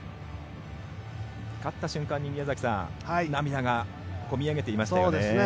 勝った瞬間に、宮崎さん涙が込み上げていましたよね。